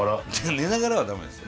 寝ながらは駄目ですよ。